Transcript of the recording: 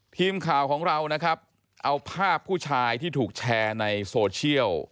ทีมข่าวของเรานะครับเอาภาพผู้ชายที่ถูกแชร์ในโซเชียล